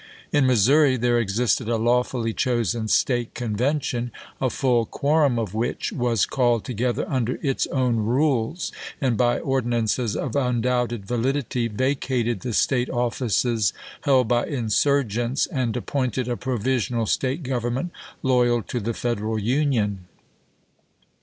In Missouri there existed a lawfully chosen State Convention, a full quorum of which was called together under its own rules, and by ordinances of undoubted validity vacated the State offices held by insurgents and appointed a provi sional State government, loyal to the Federal Union.